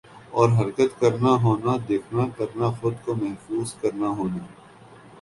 اور حرکت کرنا ہونا دیکھنا کرنا خود کو محظوظ کرنا ہونا